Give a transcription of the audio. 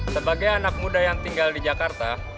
sebagai anak muda yang tinggal di jakarta